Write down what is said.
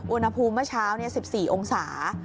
อุณหภูมิเมื่อเช้า๑๔องศา